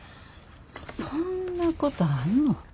そんなことあんの？